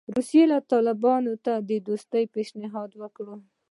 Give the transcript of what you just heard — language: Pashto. روسیې طالبانو ته د دوستۍ پېشنهاد وکړ.